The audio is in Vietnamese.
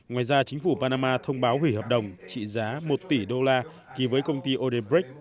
ngoài ra chính phủ panama thông báo hủy hợp đồng trị giá một tỷ đô la ký với công ty odbric